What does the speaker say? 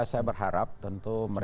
saya berharap tentu mereka